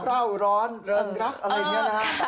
ร่าวร้อนเริงรักอะไรอย่างนี้นะครับ